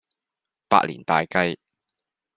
百年大計